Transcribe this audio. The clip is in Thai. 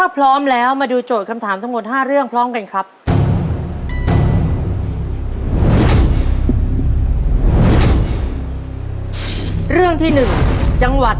ครับครับครับครับ